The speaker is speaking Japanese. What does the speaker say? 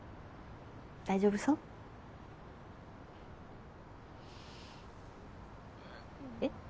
大丈夫そう？え？